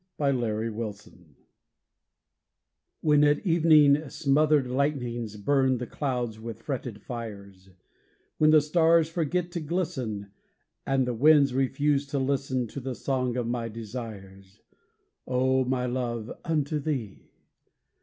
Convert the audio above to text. THE LIGHTHOUSEMAN When at evening smothered lightnings Burn the clouds with fretted fires; When the stars forget to glisten, And the winds refuse to listen To the song of my desires, Oh, my love, unto thee!